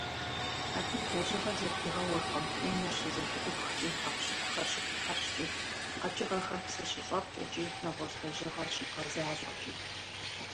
Абы и лэжьыгъэр зэпигъэуркъым унэр щызэлъыӀупхкӀи, хьэкъущыкъухэр щыптхьэщӀкӀи, къэкӀыгъэхэм псы щыщӀэпкӀэкӀи, нэгъуэщӀ лэжьыгъэ щыбгъэзащӀэкӀи.